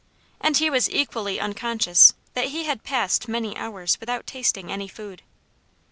And he was equally unconscious that he had passed many hours without tasting any food.